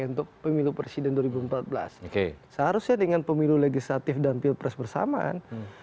untuk pemilu presiden dua ribu empat belas seharusnya dengan pemilu legislatif dan pilpres bersamaan